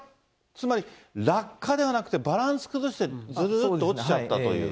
つまり落下ではなくて、バランス崩してずずずっと落ちちゃったと。